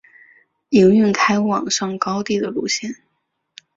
营运开往上高地的路线。